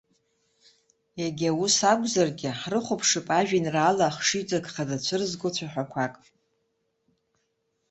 Иагьа ус акәзаргьы, ҳрыхәаԥшып ажәеинраала ахшыҩҵак хада цәырзго цәаҳәақәак.